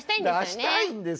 出したいんですよ。